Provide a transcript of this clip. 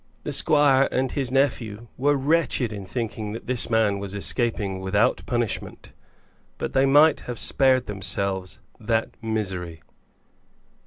The squire and his nephew were wretched in thinking that this man was escaping without punishment, but they might have spared themselves that misery.